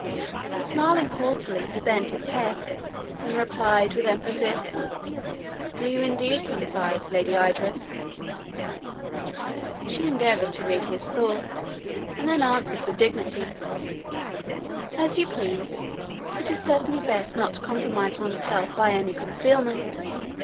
Smiling haughtily, he bent his head, and replied, with emphasis, "Do you indeed confide, Lady Idris?" She endeavoured to read his thought, and then answered with dignity, "As you please. It is certainly best not to compromise oneself by any concealment."